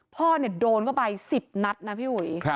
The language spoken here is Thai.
พ่อโดนเข้าไป๑๐นัดนะพี่อุ๋ย